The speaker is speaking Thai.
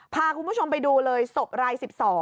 พาคุณผู้ชมไปดูเลยศพราย๑๒